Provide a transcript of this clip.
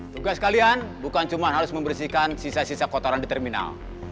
tugas kalian bukan cuma harus membersihkan sisa sisa kotoran di terminal